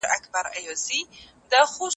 روښانه فکر بریالیتوب نه دروي.